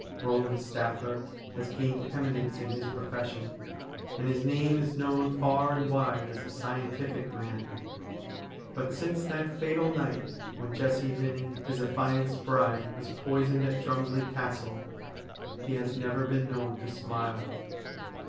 Eoland Staffier has gained eminence in his profession, and his name is known far and wide as a scientific man. But since that fatal night when Jessie Linning, his affianced bride, was poisoned at Drumslie Castle, he has never been known to smile.